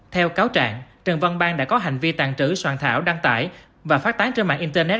theo cáo trạng trần văn bang đã có hành vi tàn trữ soạn thảo đăng tải và phát tán trên mạng internet